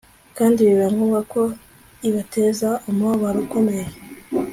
kandi biba ngombwa ko ibateza umubabaro ukomeye